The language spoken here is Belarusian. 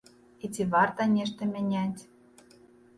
І ці варта нешта мяняць?